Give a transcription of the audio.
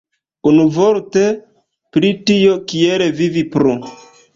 Unuvorte, pri tio, kiel vivi plu.